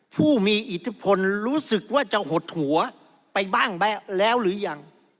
ผู้มีอิทธิพลรู้สึกว่าจะหดหัวไปบ้างแล้วหรือยัง